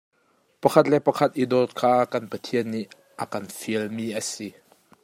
Pakhat le pakhat i dawt kha kan Pathian nih a kan fialmi a si.